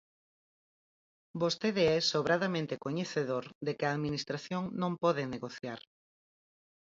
Vostede é sobradamente coñecedor de que a Administración non pode negociar.